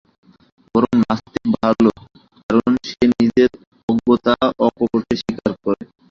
বরং নাস্তিক ভাল, কারণ সে নিজের অজ্ঞতা অকপটে স্বীকার করে।